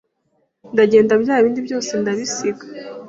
ndagenda bya bindi byose ndabisiga